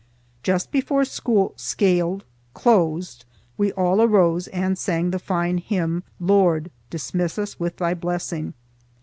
Just before school skaled (closed), we all arose and sang the fine hymn "Lord, dismiss us with Thy blessing."